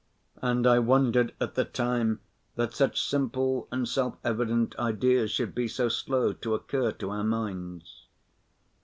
And I wondered at the time that such simple and self‐ evident ideas should be so slow to occur to our minds.